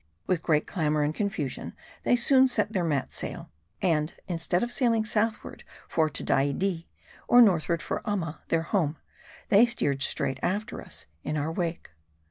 With great clamor and eonfusion they soon set their mat sail ; and instead of sailing southward for Tedaidee, or northward for Amma their home, they steered straight after us, in our wake.